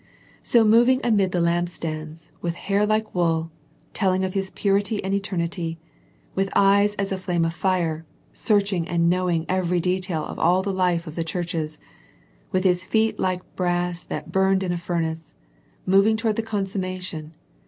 So moving amid the lampstands, with hair like wool, telling of His purity and eternity, with eyes as a flame of fire, searching and knowing every detail of all the life of the churches, with His feet like brass that burned in a furnace, moving toward the consumma tion.